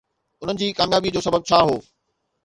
انهن جي ڪاميابي جو سبب ڇا هو؟